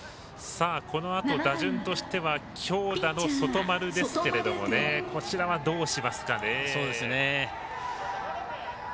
このあと、打順としては強打の外丸ですがこちらは、どうしますかね。